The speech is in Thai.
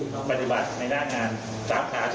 มันก็ไม่ต้องแบ่งถูกมา